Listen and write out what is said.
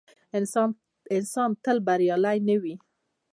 انسان تل بریالی نه وي.